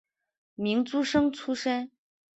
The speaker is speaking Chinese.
明诸生出身。